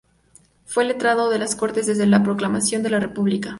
Fue letrado de las Cortes desde la proclamación de la República.